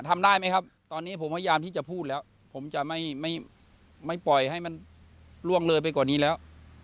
ทำได้ไหมครับตอนนี้ผมพยายามที่จะพูดแล้วผมจะไม่ปล่อยให้มันล่วงเลยไปกว่านี้แล้ว